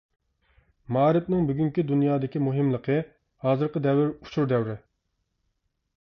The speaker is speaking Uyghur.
مائارىپنىڭ بۈگۈنكى دۇنيادىكى مۇھىملىقى ھازىرقى دەۋر ئۇچۇر دەۋرى.